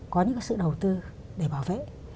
có những cái sự đầu tư để bảo vệ